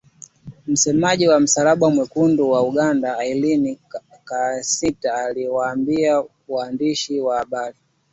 Msemaji wa Msalaba Mwekundu wa Uganda Irene Nakasita aliwaambia waandishi wa habari.